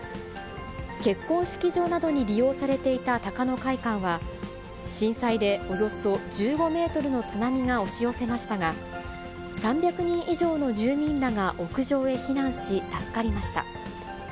結婚式場などに利用されていた高野会館は、震災でおよそ１５メートルの津波が押し寄せましたが、３００人以上の住民らが屋上へ避難し、助かりました。